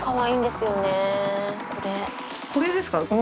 これですか？